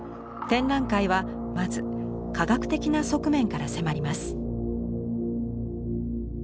展覧会はまず科学的な側面から迫ります。